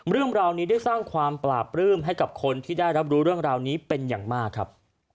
เรื่องราวนี้ได้สร้างความปราบปลื้มให้กับคนที่ได้รับรู้เรื่องราวนี้เป็นอย่างมากครับ